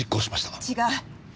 違う！